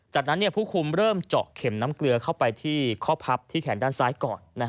จากนั้นผู้คุมเริ่มเจาะเข็มน้ำเกลือเข้าไปที่ข้อพับที่แขนด้านซ้ายก่อน